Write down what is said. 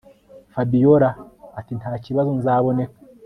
Fabiora atintakibazo nzaboneka